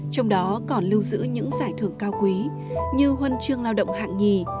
trong đó còn lưu giữ những giải thưởng cao quý như huân chương lao động hạng nhì